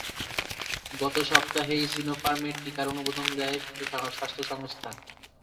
গত সপ্তাহেই সিনোফার্মের টিকার অনুমোদন দেয় বিশ্ব স্বাস্থ্য সংস্থা।